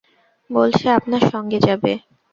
বলছে আপনার সঙ্গে যাবে।